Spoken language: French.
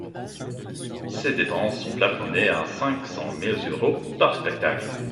Ces dépenses sont plafonnées à cinq cent mille euros par spectacle.